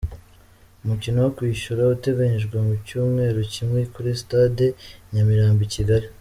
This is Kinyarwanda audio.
Umukino wo kwishyura uteganyijwe mu cyumweru kimwe kuri Sitade i Nyamirambo i Kigali.